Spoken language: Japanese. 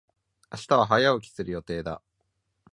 明日は早起きする予定だ。